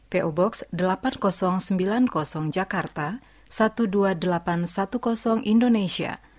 po box delapan ribu sembilan puluh jakarta dua belas ribu delapan ratus sepuluh indonesia